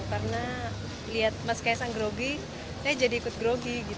karena lihat mas kesang grogi saya jadi ikut grogi gitu